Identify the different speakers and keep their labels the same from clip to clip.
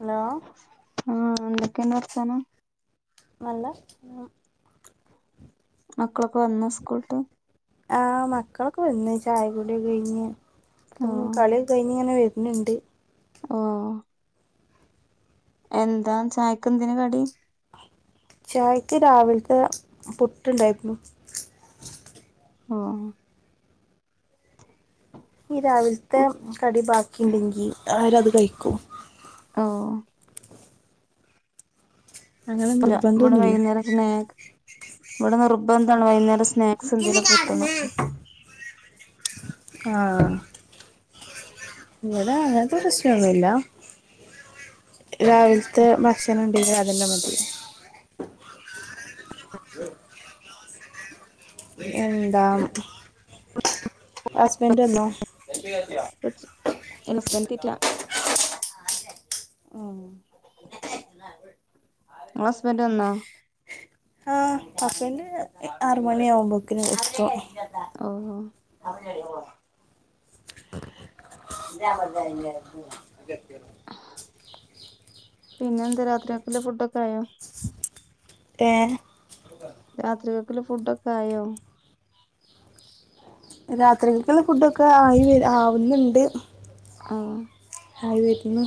Speaker 1: Hello
Speaker 2: ആ എന്തൊക്കണ്ട് വർത്താനം
Speaker 1: നല്ല വർത്താനം
Speaker 2: മക്കളൊക്കെ വന്നോ സ്കൂള്ട്ട്
Speaker 1: ആ മക്കളൊക്കെ വന്ന് ചായകുടി കയ്‌ഞ് ഉം
Speaker 2: ഓഹ്
Speaker 1: കളി ഒക്കെ കയ്ഞ്ങ്ങനെ വര് ന്ണ്ട്
Speaker 2: ആഹ് എന്താ ചായക്കെന്തേന്നു കടി
Speaker 1: ചായക്ക് രാവിലത്തെ പുട്ടുണ്ടായ്‌രുന്നു
Speaker 2: ഓ
Speaker 1: ഈ രാവിലത്തെ കടി ബാക്കി ഉണ്ടെങ്കി അവരത് വെയ്ക്കും
Speaker 2: ഓ
Speaker 1: അങ്ങനെ
Speaker 2: ഇവിടെ
Speaker 1: നിർബന്ധമൊന്നുമില്ല
Speaker 2: വൈകുന്നേരം സ്നാക്ക് ഇവിടെ നിർബന്ധാണ് വൈകുന്നേരം സ്
Speaker 1: [inaudible] ആഹ് ഇവിടെ അങ്ങനത്തെ പ്രശ്നൊന്നുല്ല രാവിലത്തെ ഭക്ഷണം ഉണ്ട് അത് അതന്നെ മതി എന്താ ഹസ്ബൻഡ് വന്നോ?
Speaker 2: ഹസ്ബന്റെത്തിട്ടില്ല
Speaker 1: ഓ
Speaker 2: നിങ്ങടെ ഹസ്ബന്റ് വന്നോ?
Speaker 1: ആഹ് ഹസ്ബന്റ് ആറുമണി ആകുമ്പോക്കിന് എത്തും
Speaker 2: ഓ പിന്നെ എന്താ രാത്രിക്കല്ല ഫുഡ്ക്കെ ആയോ
Speaker 1: ഏ
Speaker 2: രാത്രിക ക്ക്ള്ള ഫുഡക്കെ ആയോ?
Speaker 1: രാത്രികൾക്കുള്ള ഫുഡൊക്കെ ആയി വ ആവുന്ന്ണ്ട്
Speaker 2: ആഹ്
Speaker 1: ആയിവരുന്നു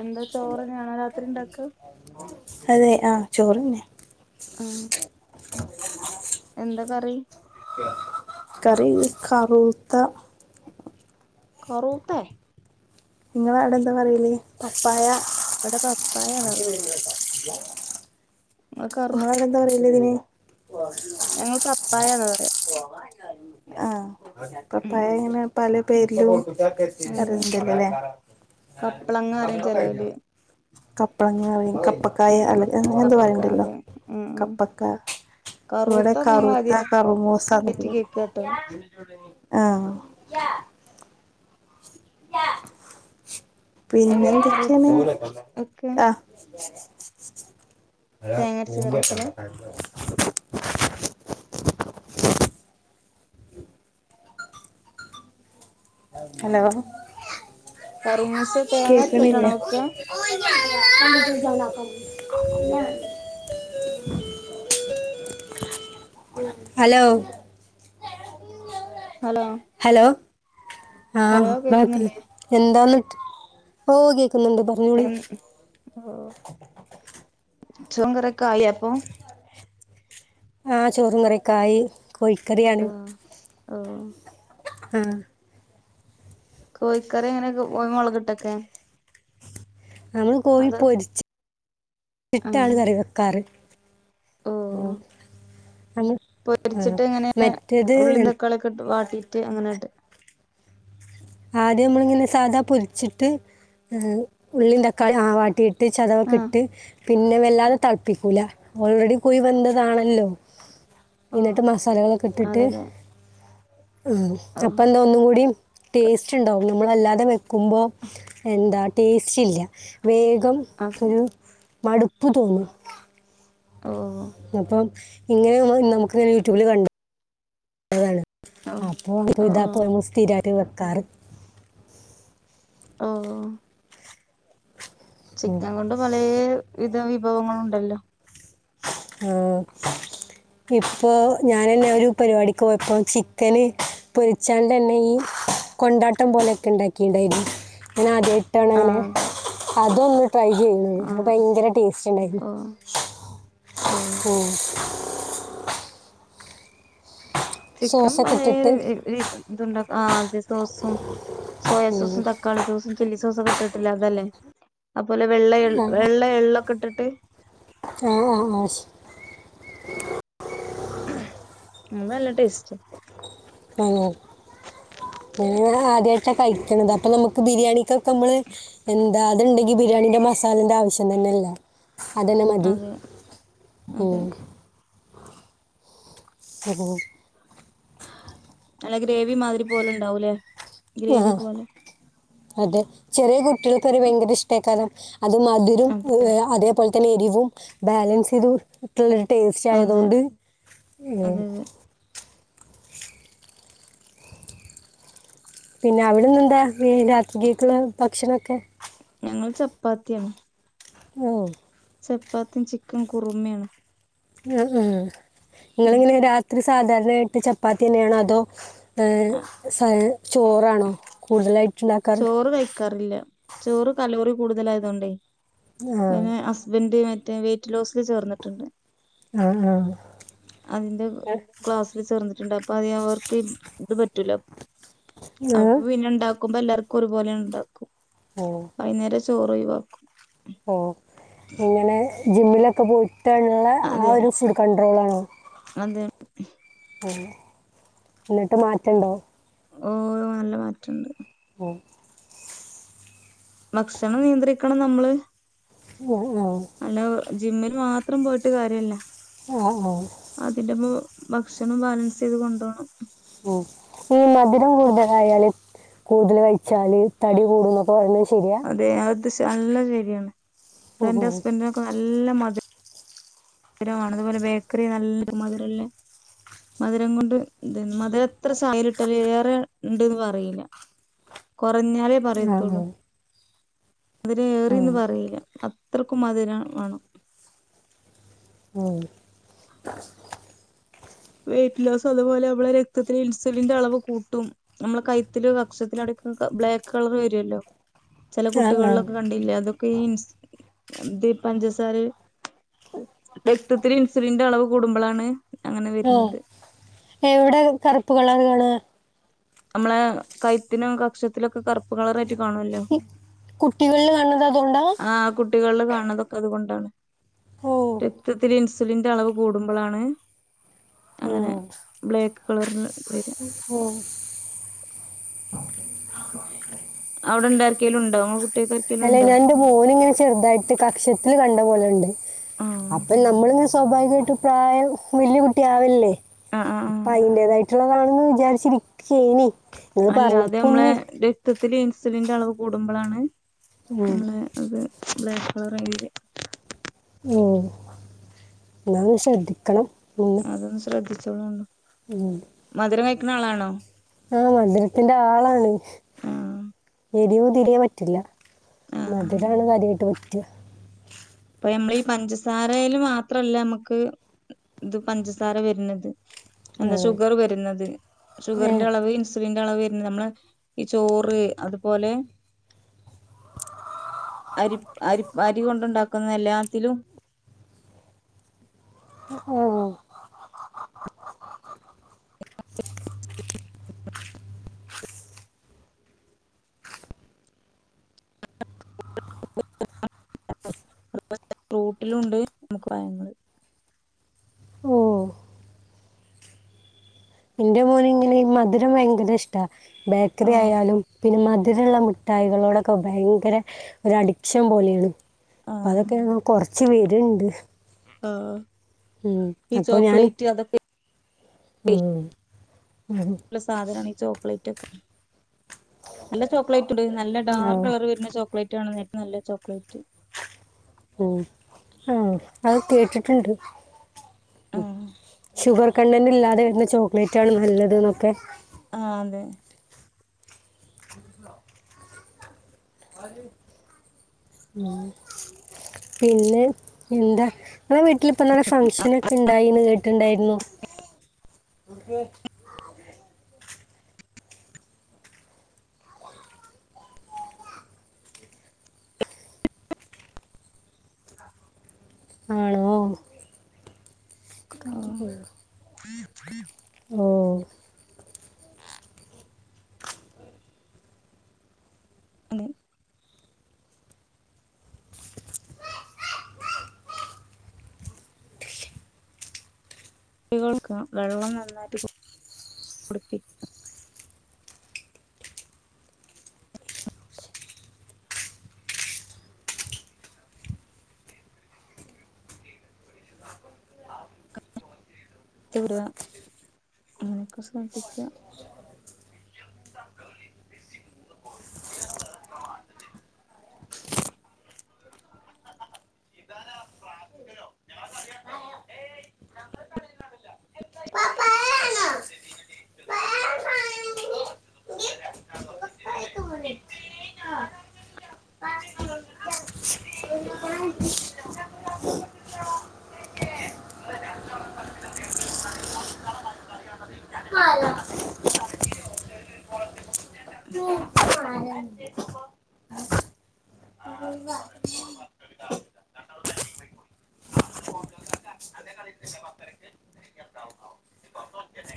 Speaker 2: എന്താ ചോറ്ന്നെയാണോ രാത്രി ഇണ്ടാക്ക?
Speaker 1: അതെ ആഹ് ചോറെന്നെ
Speaker 2: ആഹ് എന്താ കറി?
Speaker 1: കറി കറൂത്ത
Speaker 2: കറൂത്തെ?
Speaker 1: നിങ്ങളെ അവടെ എന്താ പറ്യല് പപ്പായ
Speaker 2: ഇവിടെ പപ്പായാന്നാ പറ
Speaker 1: ഇങ്ങള വടെന്താ പറ്യല്? ഇതിന്
Speaker 2: ഞങ്ങൾ പപ്പായാന്നാ പറയാ
Speaker 1: ആഹ്
Speaker 2: ഉം
Speaker 1: പപ്പായങ്ങനെ പലേ പേരിലും
Speaker 2: അതെ
Speaker 1: അറിയുന്നുണ്ടല്ലോല്ലേ
Speaker 2: കപ്പളങ്ങ പറയും ചെലോല്
Speaker 1: കപ്ലങ്ങാ റിം കപ്പ് പ്പക്കായ
Speaker 2: ഉം ഉം
Speaker 1: അല്ല അങ്ങനെന്തോ
Speaker 2: കപ്പക്ക
Speaker 1: പറയ്ണ്ടല്ലോ.
Speaker 2: അതെ ഉം ഉം
Speaker 1: കപ്പക്ക ഇവിടെ
Speaker 2: കറൂത്ത ഞങ്ങൾ
Speaker 1: കറൂത്ത കറുമൂസ എന്നൊക്ക
Speaker 2: ആദ്യായിട്ട് കേക്കാട്ടോ
Speaker 1: പറയും ആ പിന്നെ
Speaker 2: എങ്ങനെ കറൂത്ത
Speaker 1: എന്തൊക്കെയാന്ന്
Speaker 2: വെക്ക
Speaker 1: ആ
Speaker 2: തേങ്ങരച്ച് കറി വെക്കലാ
Speaker 1: ഹലോ
Speaker 2: കറുമൂസ തേങ്ങ
Speaker 1: കേൾക്കണില്ലേ
Speaker 2: അരച്ചിട്ടാണോ വെക്ക
Speaker 1: ഹലോ
Speaker 2: ഹലോ
Speaker 1: ഹലോ ആ
Speaker 2: ഹലോ
Speaker 1: [unintelligible]
Speaker 2: കേക്കുന്നില്ലേ
Speaker 1: എന്താന്ന് ഓ ഗേ ക്കുന്നുണ്ട് പറഞ്ഞോളി
Speaker 2: എൻ ചോംകറീക്കെ ആയോ അപ്പൊ
Speaker 1: ആ ചോറും കറിയൊക്കായി കോഴിക്കറിയാണ്
Speaker 2: ആ ആ
Speaker 1: ആ
Speaker 2: കോയിക്കറി എങ്ങനെക്കും [unintelligible] മൊളകിട്ടൊക്കെ
Speaker 1: ഞങ്ങള് കോയി പൊരിച്ചി ഇട്ടാണ്
Speaker 2: ആഹ്
Speaker 1: കറി വെക്കാറ്
Speaker 2: ഓ
Speaker 1: ആം
Speaker 2: പൊരിച്ചിട്ട് ഇങ്ങനെ ഉള്ളീം തക്കാളീക്കിട്ട് വാട്ടീട്ട് അങ്ങനെട
Speaker 1: ആദ്യമ്മിള് സാദാ പൊരിച്ചിട്ട് അ ഉള്ളീം തക്കാളീം ആ വാട്ടി ഇട്ട് ചതവക്ക
Speaker 2: ആഹ്
Speaker 1: ഇട്ട് പിന്നെ വല്ലാതെ തെളപ്പിക്കൂല ഓൾറെഡി കുഴി വെന്തതാണല്ലോ
Speaker 2: ഓ
Speaker 1: ഇന്നിട്ട് മസാലകളൊക്കെ ഇട്ടിട്ട്
Speaker 2: അതെ അതെ
Speaker 1: മ്
Speaker 2: ഓ
Speaker 1: അപ്പ എന്താ ഒന്നും കൂടി ടേസ്റ്റിണ്ടാവും നമ്മളല്ലാതെ വെ ക്കുമ്പോ എന്താ ടേസ്റ്റില്ല വേ
Speaker 2: അതെ
Speaker 1: [unintelligible] മടുപ്പു തോന്നുവാ
Speaker 2: ഓഹ്
Speaker 1: അപ്പം ഇങ്ങനെമ്മ നമക്ക്ങ്ങനെ യുട്യൂബില് ക അതാണ്
Speaker 2: ഓ
Speaker 1: അപ്പോ
Speaker 2: ഓ ഓ
Speaker 1: ഇതാപ്പൊ ഞങ്ങള് സ്ഥിരായിട്ട് വെ കാറ്
Speaker 2: ഓ ചിക്കൻകൊണ്ട് പലേ വിധം വി ഭവങ്ങളുണ്ടല്ലോ
Speaker 1: ആഹ് ഇപ്പൊ ഞാനന്നെ ഒരു പരിവാടിക്ക് പോയപ്പം ചിക്കന് പൊരിച്ചാണ്ടന്നെ ഈ കൊണ്ടാട്ടം പോലൊക്കെ ഇണ്ടാക്കിണ്ടായിരുന്നു ഞാൻ ആദ്യായി
Speaker 2: ആ
Speaker 1: ട്ടാണങ്ങനെ
Speaker 2: അതെ
Speaker 1: അതൊന്ന് ട്രൈ ചെയ്യ്ണെ
Speaker 2: ആ
Speaker 1: അപ്പം ഭയങ്കര ടേസ്റ്റ്ണ്ടായിരുന്നു
Speaker 2: ഓ ഓ
Speaker 1: ഉം
Speaker 2: ചിക്കൻ
Speaker 1: സോസൊക്കെ ഇട്ടിട്ട്
Speaker 2: പറയേരു ഏ രി ഇതുണ്ടാ ആഹ് അതെ സോസും സോയാ
Speaker 1: ഉം.
Speaker 2: സോസും തക്കാളി സോസും ചില്ലി സോസൊക്കെ ഇട്ട്ട്ട്ള്ള അതല്ലേ അപ് പോലെ വെള്ള എള് വെള്ള എള്ളും ക്കട്ട്ട്ട്
Speaker 1: ആഹ് ആഹ് ശ
Speaker 2: അത് നല്ല ടേസ്റ്റാ
Speaker 1: ഉം ഞാൻ ആദ്യായിട്ടാ കഴിക്ക്ണത് അപ്പം നമ്മക്ക് ബിരിയാണിക്കൊക്ക മ്മള് എന്താ അത്ണ്ടെങ്കി ബിരിയാണീന്റെ മസാലന്റെ ആവശ്യം തന്നെല്ല അതന്നെ മതി
Speaker 2: അതെ അതെ
Speaker 1: ഉം ഉം.
Speaker 2: നല്ല ഗ്രേവി മാതിരി പോലെ ഉണ്ടാവൂല്ലേ
Speaker 1: ആഹ് അതെ ചെറിയ കുട്ടികൾക്കൊരു ഭയങ്കര ഇഷ്ടേക്കാലെ അത് മധുരം
Speaker 2: അതെ
Speaker 1: വെ അതേപോലെ എരിവും ബാലൻസ് യ്ത് ട്ട്ള്ളെ ടേസ്റ്റ്
Speaker 2: അതെ
Speaker 1: ആയതുകൊണ്ട് മ്ഹ്
Speaker 2: അതെ അതെ
Speaker 1: പിന്നെ അവിടുന്ന് എന്താ ഇനി രാത്രീലേക്കുള്ള ഭക്ഷണം ക്കെ
Speaker 2: ഞങ്ങള് ചപ്പാത്തിയാണ്
Speaker 1: ഓഹ്
Speaker 2: ചപ്പാത്തിയും ചിക്കൻ കുറുമ്മണ്
Speaker 1: ആഹ് ആഹ് ആഹ് നിങ്ങള് എങ്ങനെ രാത്രി സാധാരണയായിട്ട് ചപ്പാത്തി തന്നെയാണോ അതോ
Speaker 2: ആ,
Speaker 1: സ ചോറാണോ കൂടുതലായിട്ട് ഉണ്ടാക്കാറ്
Speaker 2: ചോറ് കഴിക്കാറില്ല ചോറ് കലൂറി കൂടുതലായതുകൊണ്ടേ
Speaker 1: ആ
Speaker 2: പിന്നെ ഹസ്ബന്ഡ മറ്റ മ വെയിറ്റ് ലോസില് ചേർന്നിട്ടുണ്ട്
Speaker 1: ആ ആ
Speaker 2: അപ്പ അത് അവർക്ക് ഇത് പറ്റൂല
Speaker 1: ആ
Speaker 2: അപ്പൊ പിന്നെണ്ടാക്കും ആക്കുമ്പോ എല്ലാവർക്കും ഒരുപോലെ ഉണ്ടാക്കും
Speaker 1: ഓ
Speaker 2: വൈകുന്നേര ചോറ് ഒഴിവാക്കും
Speaker 1: എ ങ്ങനെ ജിമ്മിൽ ഒക്കെ പോയിട്ട് നുള്ള ആ ഒരു ഫുഡ് കണ്ടു റോളാണ്
Speaker 2: അത്
Speaker 1: എന്നിട്ട് മാറ്റണ്ടോ
Speaker 2: ഓ നല്ല മാറ്റുണ്ട്
Speaker 1: ഉം
Speaker 2: ഭക്ഷണം നിയന്ത്രിക്കണം നമ്മള്
Speaker 1: ഉം ഉം
Speaker 2: അല്ല ജിമ്മിൽ മാത്രം പോയിട്ട് കാര്യമല്ല
Speaker 1: ആ ആ.
Speaker 2: അതിന്റെപ്പ ഭക്ഷണം ബാലൻസ് ചെയ്ത് കൊണ്ട പോണം
Speaker 1: ഓ ഈ മധുരം കൂടുതലായാലല് കൂടുതൽ കഴിച്ചാല് തടി കൂട എന്നൊക്കെ പറഞ്ഞ
Speaker 2: അതെ അ നല്ല ശരിയാണ് അ എന്റെ
Speaker 1: ഉം.
Speaker 2: ഹസ്ബന്ഡറിനൊക്കെ നല്ല മ മധുരമാണ് അതുപോലെ ബേക്കറി നല്ല മധുരല്ല മധുരം കൊണ്ട് മധുര എത്ര സായലിട്ട യെറെ ഉണ്ട്ന്ന് പറയില്ല പറഞ്ഞാലേ
Speaker 1: ആ ആ
Speaker 2: പറയത്തുള്ളൂ അതിനെ
Speaker 1: ആ
Speaker 2: എറിന്ന് പറയില്ല എത്രക്കുംമാതിരാ വേണം
Speaker 1: ആഹ്
Speaker 2: വെയ്റ്റ് ലോസ് അതുപോലെ മ്മളെ രക്തത്തിൽ ഇൻസുലിന്റെ അളവ് കൂട്ടും നമ്മളെ കൈത്തില് കക്ഷത്തില് അടക്ക ബ്ലാക്ക് കളർ വരുല്ലോ ചില
Speaker 1: ആ ആ
Speaker 2: കുട്ടികളിലൊക്കെ കണ്ടില്ലെ അതൊക്കെ ഈ ഇൻ ദി പഞ്ചസാരെ രക്തത്തില് ഇൻസുലിന്റെ അളവ് കൂടമ്പളാണ് അങ്ങ
Speaker 1: ആ എവടെ കറ്പ്പ് കളറ് കാണ
Speaker 2: നമ്മളെ കഴ്ത്തിനും കക്ഷത്തിലൊക്കെ കറ്പ്പ് കളറ ട്ട് കാണോല്ലോ
Speaker 1: ഈ കുട്ടികളിൽ കാണുന്നത് അതുകൊണ്ടാ
Speaker 2: ആ അ കുട്ടികളിൽ കാണണതൊക്കെ അതുകൊണ്ടാണ്
Speaker 1: ഓ
Speaker 2: രക്തത്തില് ഇൻസ് ലിന്റെ അളവ് കൂടുമ്പളാണ് അങ്ങനെ ബ്ലേക്ക് കളറില്
Speaker 1: ഉം [inaudible]
Speaker 2: അവിടെണ്ടാ ക്കെലുണ്ടൊ ഇങ്ങളെ
Speaker 1: അല്ലെ ഞാൻ ന്റെ മോനിങ്ങനെ ചെർതായിട്ട് കക്ഷത്തിൽ കണ്ടപോലണ്ട്
Speaker 2: ആഹ്
Speaker 1: അപ്പൊ നമ്മളി സ്വാഭാവികമായിട്ട് പ്രായം വെല്ല്യകുട്ടിയാവല്ലേ
Speaker 2: ആഹ് ആഹ്
Speaker 1: അപ്പ
Speaker 2: ആഹ്
Speaker 1: അയിന്റതായി റ്റുള്ളതാണെന്ന് വിചാരിച്ചിരിക്കായ്നി
Speaker 2: അല്ല അത മ്മളെ രക്തത്തില് ഇൻ- സിലിന്റെ അളവ് കൂടുമ്പളാണ്
Speaker 1: ഉം.
Speaker 2: നമ്മളെ അത് ബ്ലാക്കളറായി വരാ
Speaker 1: ഓ എന്നാ ഒന്ന് ശ്രദ്ധിക്കണം ഒന്ന്
Speaker 2: അതൊന്ന് ശ്രദ്ധി ചോളോണ്ടൂ
Speaker 1: ഉം
Speaker 2: ക്ക്ന്നാളാണോ
Speaker 1: ആ മധുരത്തിൻ്റാളാണ്
Speaker 2: ആഹ്
Speaker 1: എരിവു തീരെ പറ്റില്ല
Speaker 2: ആഹ്
Speaker 1: മധ്‌രാണ കാര്യായിട്ട് പ റ്റ
Speaker 2: പ്പ ഞമ്മളീ പഞ്ചസാരയില് മാത്രല്ല മ്മക്ക് ഇത് പഞ്ചസാര വരുന്നത് എന്താ ഷുഗർ
Speaker 1: ആ
Speaker 2: വരുന്നത്
Speaker 1: ഏ
Speaker 2: ഷുഗറിന്റെ അളവ് ഇൻസുലിൻ റ്റളവ് വരുന്നത് നമ്മളെ ഈ ചോറ് അത്പോലെ അരിപ് അരിപ് അരി കൊണ്ട്ണ്ടാക്കു ക്കുന്ന എല്ലാത്തിലും
Speaker 1: ഓ
Speaker 2: [unintelligible] ഫ്രൂട്ടിലൂണ്ട് നമുക്ക് പയങ്ങള്
Speaker 1: ഓ എന്റെ മോന് ഇങ്ങനെ ഈ മധുരം ഭയങ്കര ഇഷ്ടാ ബേക്കറി
Speaker 2: ആഹ്
Speaker 1: ആയാലും പിന്നെ മ [unintelligible] ധുര മിഠായികളോടൊക്കെ ഭയങ്കര ഒരു അഡിക്ഷൻ പോലെയാണ് അപ്പൊ
Speaker 2: ആഹ്
Speaker 1: അതൊക്കെ അങ്ങ് കൊറച്ച് [unintelligible]
Speaker 2: ആഹ്
Speaker 1: ഉം
Speaker 2: ഈ
Speaker 1: അപ്പൊ ഞാൻ
Speaker 2: ചോക്ലേറ്റ് അതൊക്കെ
Speaker 1: ഉം ഉം.
Speaker 2: ല്ല സാധനമാണ് ഈ ചോക്ലേറ്റ് ഒക്കെ നല്ല ചോക്ലേറ്റ് ഉണ്ട് നല്ല
Speaker 1: ആ
Speaker 2: ഡാർക്ക്‌ കളർ വരുന്ന ചോക്ലേറ്റ് ആണ് ഏ നല്ല ചോക്ലേറ്റ്
Speaker 1: ഉം ആഹ് അത് കേട്ടിട്ടുണ്ട്
Speaker 2: ആഹ്
Speaker 1: ഷുഗർ കണ്ടന്റ് ഇല്ലാതെ വരുന്ന ചോക്ലേറ്റ് ആണ് നല്ലത് ന്നൊക്കെ
Speaker 2: ആ അതെ
Speaker 1: ഉം പിന്നെ എന്താ ഇങ്ങളെ വിട്ടില് ഇപ്പൊ ഫംഗ്ഷൻ ഒക്കെ ഇണ്ടായിന്ന് കേട്ടിട്ടുണ്ടായിരുന്നു ഒക്കെ ആണോ
Speaker 2: ആഹ് [unintelligible]
Speaker 1: ഉം
Speaker 2: [unintelligible] കുട്ടികൾക്ക് വെള്ളം നന്നായിട്ട്പ്പ കുടിപ്പി പറയുക അങ്ങനെയൊക്കെ ശ്രദ്ധിക